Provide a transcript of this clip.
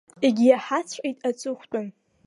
Егьиаҳаҵәҟьеит аҵыхәтәан.